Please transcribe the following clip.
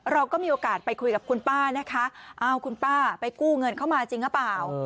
เราก็มีโอกาสไปคุยกับคุณป้านะคะอ้าวคุณป้าไปกู้เงินเข้ามาจริงหรือเปล่า